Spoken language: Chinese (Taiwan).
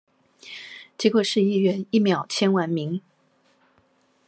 結果市議員一秒簽完名